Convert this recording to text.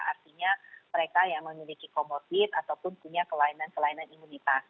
artinya mereka yang memiliki comorbid ataupun punya kelainan kelainan imunitas